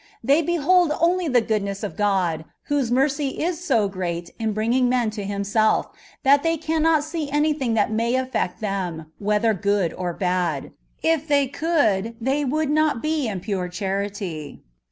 They behold only the good ness of God, whose mercy is so great in bringing men to Himself, that they cannot see any thing that may affect them, whether good or bad; if they oould, they would not be in pure charity.